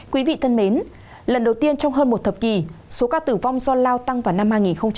quý vị thân mến lần đầu tiên trong hơn một thập kỷ số ca tử vong do lao tăng vào năm hai nghìn một mươi tám